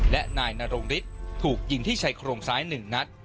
และนายนรงฤทธิ์ถูกยิงที่ชายโครงซ้าย๑นัด